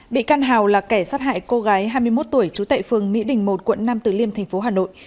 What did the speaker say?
bị can hào là kẻ sát hại cô gái hai mươi một tuổi trú tại phường mỹ đình một quận năm từ liêm tp hà nội